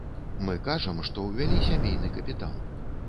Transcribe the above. Мы кажам, што ўвялі сямейны капітал.